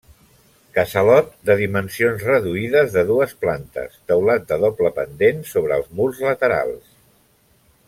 Casalot de dimensions reduïdes, de dues plantes; teulat de doble pendent sobre els murs laterals.